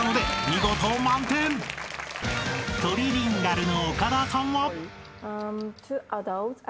［トリリンガルの岡田さんは］